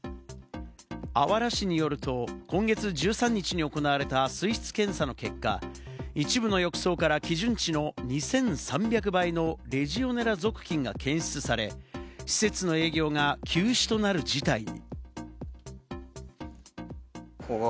あわら市によると、今月１３日に行われた水質検査の結果、一部の浴槽から基準値の２３００倍のレジオネラ属菌が検出され、施設の営業が休止となる事態に。